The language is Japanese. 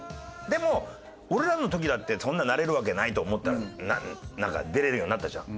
でも俺らの時だってそんななれるわけないと思ったなんか出れるようになったじゃん。